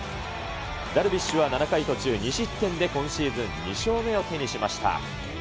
ダルビッシュは７回途中２失点で今シーズン２勝目を手にしました。